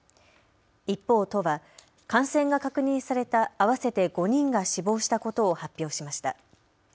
一方、都は感染が確認された合わせて５人が死亡したことを発表しました。